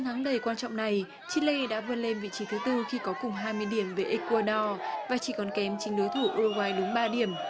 trận đấu đầy quan trọng này chile đã vươn lên vị trí thứ bốn khi có cùng hai mươi điểm về ecuador và chỉ còn kém chính đối thủ uruguay đúng ba điểm